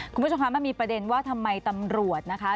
คุณผู้ชมคะมันมีประเด็นว่าทำไมตำรวจนะคะ